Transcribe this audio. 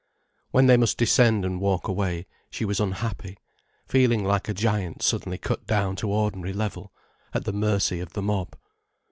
When they must descend and walk away, she was unhappy, feeling like a giant suddenly cut down to ordinary level, at the mercy of the mob.